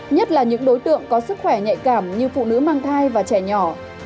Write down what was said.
nhất là những đối tượng có sức khỏe nhạy cảm như phụ nữ mang thai và trẻ nhỏ